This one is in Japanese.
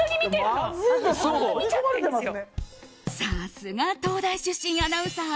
さすが、東大出身アナウンサー。